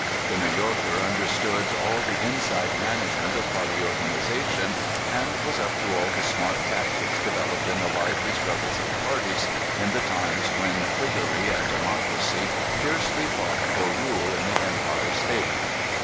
The New Yorker understood all the inside management of party organization, and was up to all the smart tactics developed in the lively struggles of parties in the times when Whig gery and Democracy fiercely fought for rule in the Empire State.